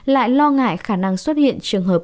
lại lo ngại khả năng xuất hiện trường hợp